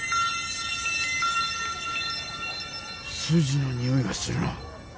数字のにおいがするな。